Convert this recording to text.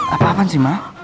apa apaan sih ma